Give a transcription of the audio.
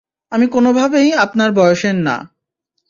আমি কোনভাবেই আপনার বয়সের না।